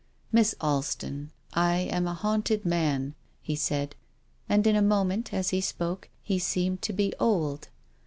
" Miss Alston, I am a haunted man," he said. And, in a moment, as he spoke, he seemed to be old.